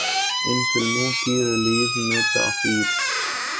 ان فلموں کی ریلیز میں تاخیر